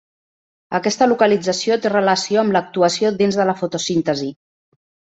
Aquesta localització té relació amb l'actuació dins de la fotosíntesi.